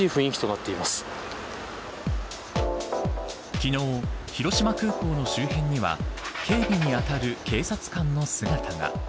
昨日、広島空港の周辺には警備に当たる警察官の姿が。